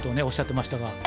おっしゃってましたが。